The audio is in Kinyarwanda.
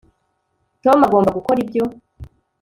tom agomba gukora ibyo